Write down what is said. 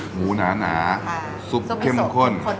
หมูหนาซุปเข้มข้น